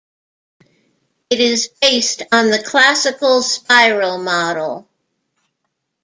It is based on the classical spiral model.